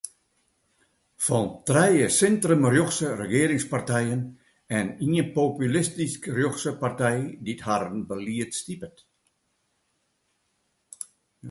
Fan trije sintrum-rjochtse regearingspartijen en ien populistysk-rjochtse partij dy’t harren belied stipet.